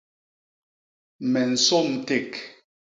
Me nsôm ték.